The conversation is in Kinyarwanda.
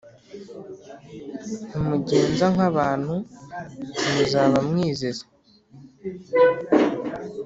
ntimugenza nk’abantu muzaba mwizize?